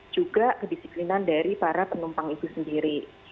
juga kedisiplinan dari para penumpang itu sendiri